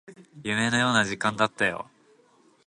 夢のような時間だったよ